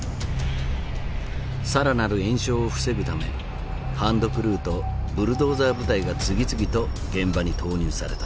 更なる延焼を防ぐためハンドクルーとブルドーザー部隊が次々と現場に投入された。